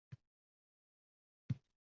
shu xolos.